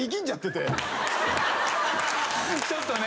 ちょっとね。